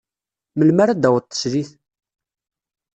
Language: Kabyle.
Melmi ara d-taweḍ teslit?